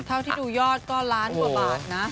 เท่าที่ดูยอดก็ล้านกว่าบาทนะ